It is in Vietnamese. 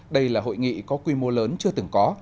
đây là hội nghị có quy mô lớn chưa từng có